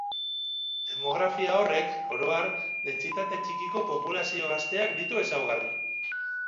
Demografia horrek, oro har, dentsitate txikiko populazio gazteak ditu ezaugarri.